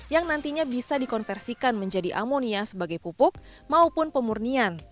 yang nantinya bisa dikonversikan menjadi amonia sebagai pupuk maupun pemurnian